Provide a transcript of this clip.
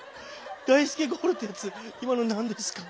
だいすけゴールってやつ今の何ですか？